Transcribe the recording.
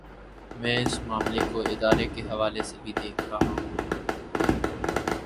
میں اس معاملے کو ادارے کے حوالے سے بھی دیکھ رہا ہوں۔